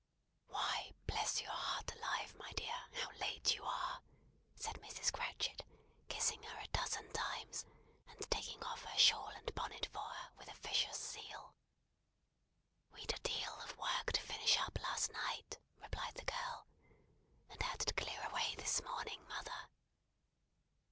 "Why, bless your heart alive, my dear, how late you are!" said Mrs. Cratchit, kissing her a dozen times, and taking off her shawl and bonnet for her with officious zeal. "We'd a deal of work to finish up last night," replied the girl, "and had to clear away this morning, mother!"